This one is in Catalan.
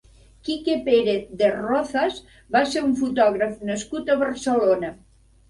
Kike Pérez de Rozas va ser un fotògraf nascut a Barcelona.